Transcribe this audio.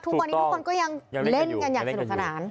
ทุกวันนี้ทุกคนก็ยังเล่นกันอย่างสนุกสนาน